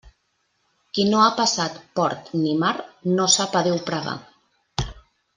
Qui no ha passat port ni mar, no sap a Déu pregar.